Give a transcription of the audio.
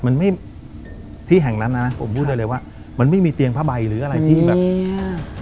มันไม่ที่แห่งนั้นน่ะนะผมพูดได้เลยว่ามันไม่มีเตียงผ้าใบหรืออะไรที่แบบเนี้ย